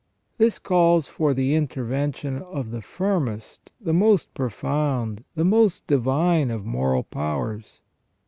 This calls for the intervention of the firmest, the most profound, the most divine of moral powers.